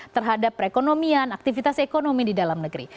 terhadap perekonomian aktivitas ekonomi di dalam negeri